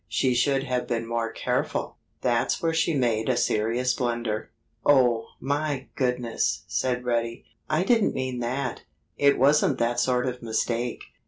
She should have been more careful. That's where she made a serious blunder." "Oh, my goodness!" said Reddy. "I didn't mean that. It wasn't that sort of mistake.